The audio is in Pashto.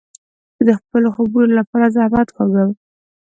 زه د خپلو خوبو له پاره زحمت کاږم.